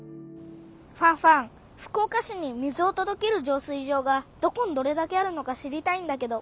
ファンファン福岡市に水をとどける浄水場がどこにどれだけあるのか知りたいんだけど。